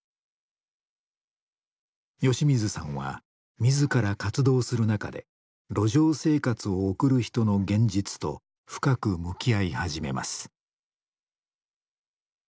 吉水さんは自ら活動する中で路上生活を送る人の現実と深く向き合い始めます。